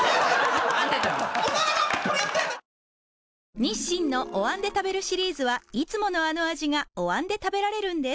日清のお椀で食べるシリーズはいつものあの味がお椀で食べられるんです